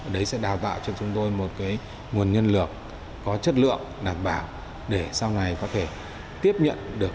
đấy sẽ đào tạo cho chúng tôi một nguồn nhân lực có chất lượng đảm bảo để sau này có thể tiếp nhận được